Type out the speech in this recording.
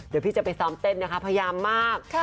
เดี๋ยวพี่จะไปซ้อมเต้นนะคะพยายามมาก